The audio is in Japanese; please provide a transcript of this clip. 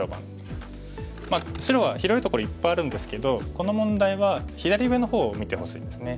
白は広いところいっぱいあるんですけどこの問題は左上の方を見てほしいですね。